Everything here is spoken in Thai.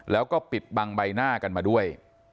แล้วก็ปิดบังใบหน้ากันมาด้วย